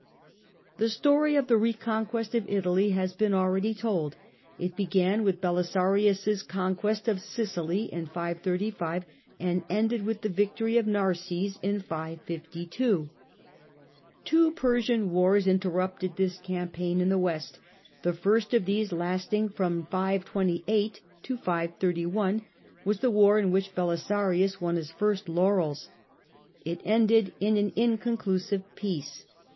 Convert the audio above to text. The story of the reconquest of Italy has been already 2. Italy told. It began with Belisarius' conquest of Sicily in 535, and ended with the victory of Narses in 552. Two Persian wars interrupted this campaign in the Persian west. The first of these, lasting from 528 to 531 , was the wars war in which Belisarius won his first laurels. It ended in an inconclusive peace.